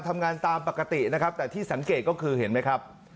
ทำงานตามปกตินะครับแต่ที่สังเกตก็คือเห็นไหมครับ